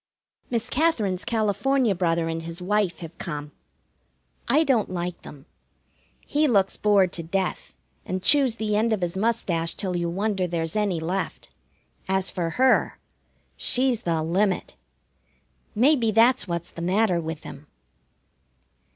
Miss Katherine's California brother and his wife have come. I don't like them. He looks bored to death, and chews the end of his mustache till you wonder there's any left. As for her, she's the limit. Maybe that's what's the matter with him.